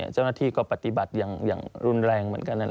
เจ้าหน้าที่ก็ปฏิบัติอย่างรุนแรงเหมือนกัน